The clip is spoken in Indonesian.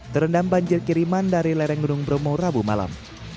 terendam banjir kiriman dari lereng gunung bromo rabu malam